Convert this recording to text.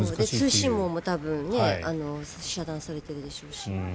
通信網も多分遮断されているでしょうし。